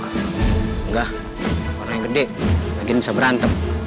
enggak orang yang gede lagi bisa berantem